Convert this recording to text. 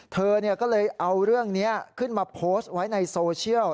เธอก็เลยเอาเรื่องนี้ขึ้นมาโพสต์ไว้ในโซเชียล